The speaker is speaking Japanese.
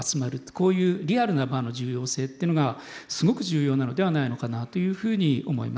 こういうリアルな場の重要性っていうのがすごく重要なのではないのかなというふうに思います。